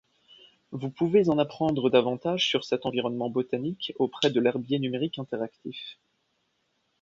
Vous pouvez en apprendre davantage sur cet environnement botanique auprès de l'herbier numérique interactif.